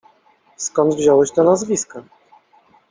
"Skąd wziąłeś te nazwiska?"